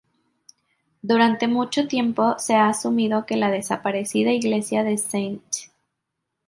Durante mucho tiempo se ha asumido que la desaparecida iglesia de St.